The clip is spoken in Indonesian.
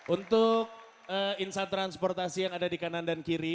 untuk insan transportasi yang ada di kanan dan kiri